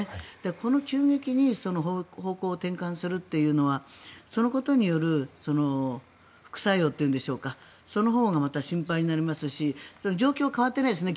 この急激に方向を転換するというのはそのことによる副作用というんでしょうかそのほうがまた心配になりますし状況は変わってないですよね。